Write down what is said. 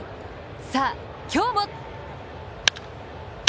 さあ、今日も！